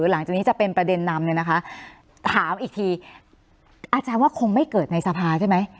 หลังจากนี้จะเป็นประเด็นนำเนี่ยนะคะถามอีกทีอาจารย์ว่าคงไม่เกิดในสภาใช่ไหม